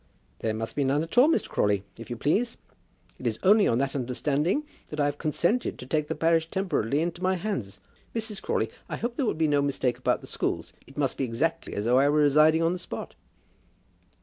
"There must be none at all, Mr. Crawley, if you please. It is only on that understanding that I have consented to take the parish temporarily into my hands. Mrs. Crawley, I hope that there may be no mistake about the schools. It must be exactly as though I were residing on the spot."